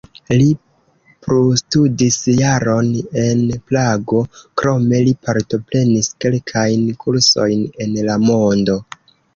Li plustudis jaron en Prago, krome li partoprenis kelkajn kursojn en la mondo.